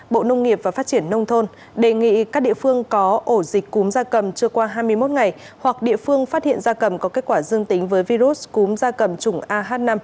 bộ nông nghiệp và phát triển nông thôn đề nghị các địa phương có ổ dịch cúm da cầm chưa qua hai mươi một ngày hoặc địa phương phát hiện da cầm có kết quả dương tính với virus cúm da cầm chủng ah năm